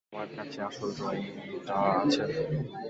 তোমার কাছে আসল ড্রয়িংটা আছে?